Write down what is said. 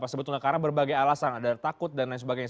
sebetulnya karena berbagai alasan ada takut dan lain sebagainya